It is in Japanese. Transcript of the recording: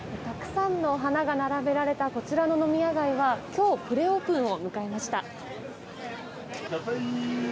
たくさんの花が並べられたこちらの飲み屋街は今日プレオープンを迎えました。